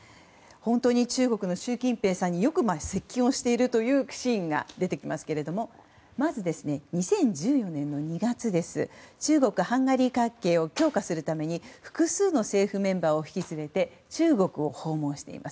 中国の習近平さんによく接近するシーンが出ますがまず、２０１４年の２月中国・ハンガリー関係を強化するために複数の政府メンバーを引き連れて中国を訪問しています。